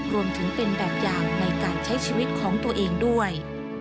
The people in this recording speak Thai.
รวมถึงเป็นแบบอย่างในการใช้ชีวิตของตัวเองด้วย